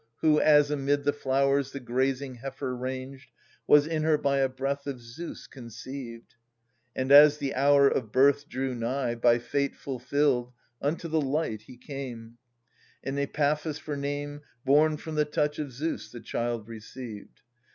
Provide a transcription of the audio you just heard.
Who, as amid the flowers the grazing heifer ranged, Was in h er by a breath of Zeus conceived j • And, as the hour of birth drew nigh. By fate fulfilled7 unto the light he came ;— And Epaphus for name, Born from the touch of Zeus, the child received.